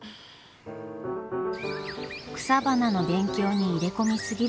草花の勉強に入れ込み過ぎる万太郎。